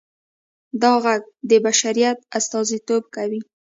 دا غږ د بشریت استازیتوب کوي.